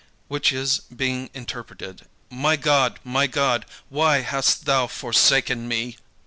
which is, being interpreted, "My God, my God, why hast thou forsaken me?"